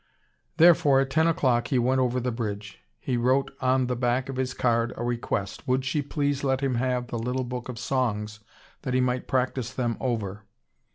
Therefore at ten o'clock he went over the bridge. He wrote on the back of his card a request, would she please let him have the little book of songs, that he might practise them over.